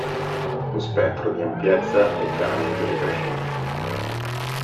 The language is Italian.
Lo spettro di ampiezza è chiaramente decrescente.